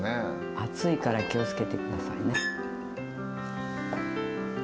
熱いから気を付けて下さいね。